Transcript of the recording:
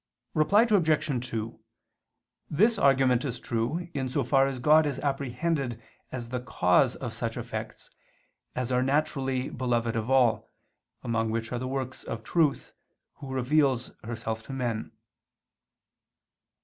Reply Obj. 2: This argument is true in so far as God is apprehended as the cause of such effects as are naturally beloved of all, among which are the works of Truth who reveals herself to men.